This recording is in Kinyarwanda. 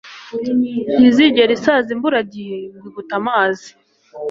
ntizigera isaza imburagihe ngo igutamaze